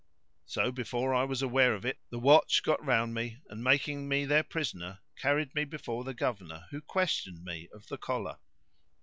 So before I was aware of it the watch got round me and, making me their prisoner, carried me before the Governor who questioned me of the collar.